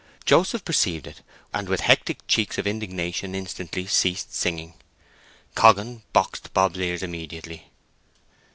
Joseph perceived it, and with hectic cheeks of indignation instantly ceased singing. Coggan boxed Bob's ears immediately.